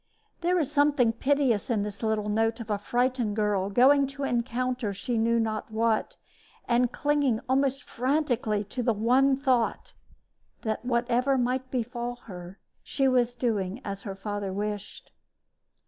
There is something piteous in this little note of a frightened girl going to encounter she knew not what, and clinging almost frantically to the one thought that whatever might befall her, she was doing as her father wished.